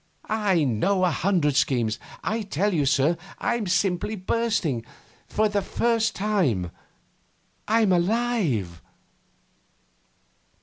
I know a hundred schemes. I tell you, sir, I'm simply bursting! For the first time I'm alive!